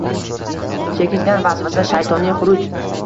Chekingan vasvasa, shaytoniy xuruj.